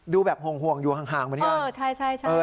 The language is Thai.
ดูแบบห่วงอยู่ห่างบางที